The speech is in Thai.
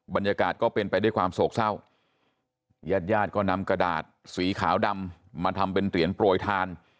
บรรยากาศก็เป็นไปด้วยความโศกเศร้าญาติญาติก็นำกระดาษสีขาวดำมาทำเป็นเหรียญโปรยทาน